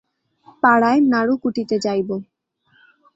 পাড়ায় নাডু কুটিতে যাইব।